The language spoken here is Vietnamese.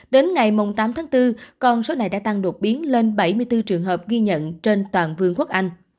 đến ngày tám tháng bốn con số này đã tăng đột biến lên bảy mươi bốn trường hợp ghi nhận trên toàn vương quốc anh